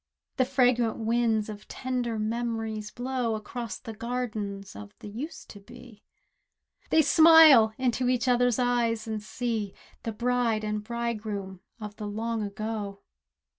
The fragrant winds of tender memories blow Across the gardens of the "Used to be!" They smile into each other's eyes, and see The bride and bridegroom of the long ago.